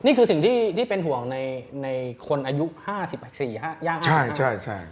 นี่คือสิ่งที่เป็นห่วงในคนอายุ๕๔